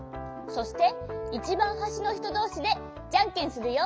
そしていちばんはしのひとどうしでじゃんけんするよ！